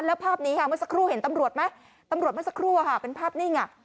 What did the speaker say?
แล้วภาพนี้ค่ะมันสครูเห็นตำรวจไหมตำรวจมันสครูค่ะเป็นภาพนี้ไง